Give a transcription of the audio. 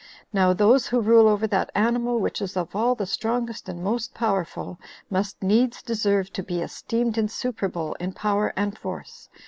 Now those who rule over that animal which is of all the strongest and most powerful, must needs deserve to be esteemed insuperable in power and force.